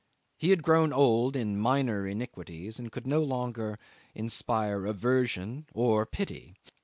He had grown old in minor iniquities, and could no longer inspire aversion or pity.